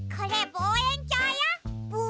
ぼうえんきょう？